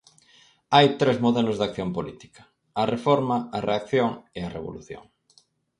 Hai tres modelos de acción política: a reforma, a reacción e a revolución.